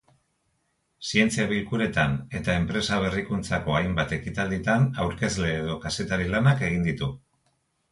Zientzia-bilkuretan eta enpresa-berrikuntzako hainbat ekitalditan aurkezle edo kazetari-lanak egin ditu.